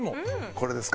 これですか？